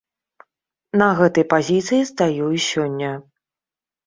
На гэтай пазіцыі стаю і сёння.